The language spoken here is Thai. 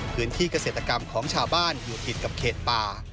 พื้นที่เกษตรกรรมของชาวบ้านอยู่ติดกับเขตป่า